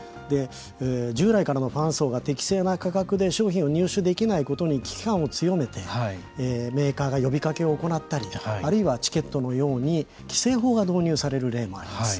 従来からのファン層が適正な価格で商品を入手できないことに危機感を強めてメーカーが呼びかけを行ったりあるいはチケットのように規制法が導入される例もあります。